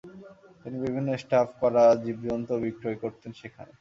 তিনি বিভিন স্টাফ করা জীবজন্তুও বিক্রয় করতেন সেখানে।